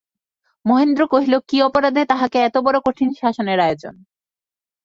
মহেন্দ্র কহিল, কী অপরাধে তাহাকে এতবড়ো কঠিন শাসনের আয়োজন।